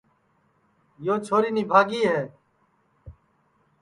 یو چھوری نِبھاگی ہے